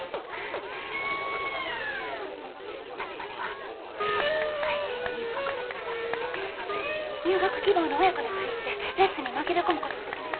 パネパネはいつでも体験入学ができますので入学希望の親子のふりしてレッスンに紛れ込むこともできます。